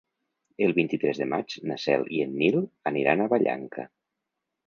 El vint-i-tres de maig na Cel i en Nil aniran a Vallanca.